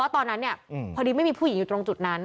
ตอนนั้นพอดีไม่มีผู้หญิงอยู่ตรงจุดนั้น